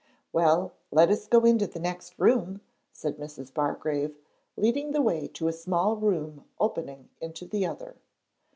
'Well, let us go into the next room,' said Mrs. Bargrave, leading the way to a small room opening into the other.